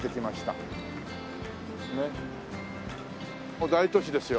もう大都市ですよ。